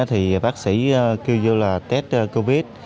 thì bác sĩ kêu vô là test covid